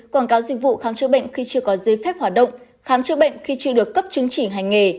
quảng cáo dịch vụ khám chữa bệnh khi chưa có giấy phép hoạt động khám chữa bệnh khi chưa được cấp chứng chỉ hành nghề